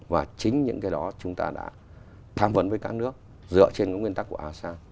và chính những cái đó chúng ta đã tham vấn với các nước dựa trên nguyên tắc của asean